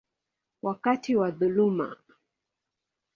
wakati wa dhuluma.